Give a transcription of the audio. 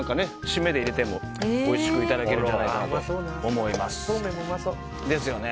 締めで入れてもおいしくいただけるんじゃないかなと思います。